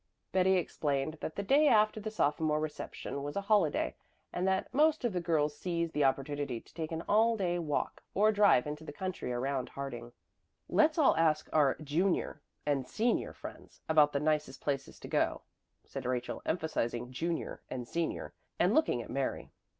Betty explained that the day after the sophomore reception was a holiday, and that most of the girls seized the opportunity to take an all day walk or drive into the country around Harding. "Let's all ask our junior and senior friends about the nicest places to go," said Rachel, emphasizing "junior and senior" and looking at Mary.